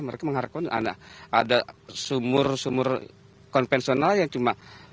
mereka mengharapkan ada sumur sumur konvensional yang cuma